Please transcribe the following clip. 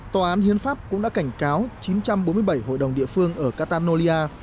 tòa án hiến pháp cũng đã cảnh cáo chín trăm bốn mươi bảy hội đồng địa phương ở catanolia